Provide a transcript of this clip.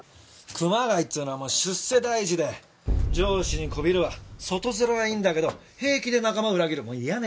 熊谷っつうのは出世第一で上司に媚びるわ外面はいいんだけど平気で仲間を裏切る嫌な奴だってな。